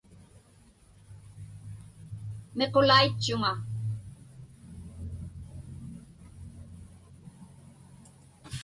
Miqulaitchuŋa.